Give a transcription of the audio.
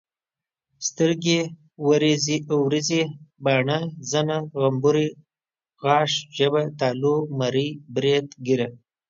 سترګي ، وريزي، باڼه، زنه، غمبوري، غاښ، ژبه ،تالو، مرۍ، بريت، ګيره